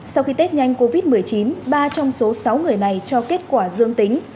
sau khi tết nhanh covid một mươi chín ba trong số sáu người này cho kết quả dương tính